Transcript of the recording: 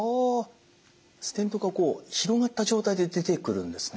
ステントがこう広がった状態で出てくるんですね。